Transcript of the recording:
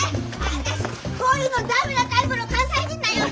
私こういうのダメなタイプの関西人なんよ。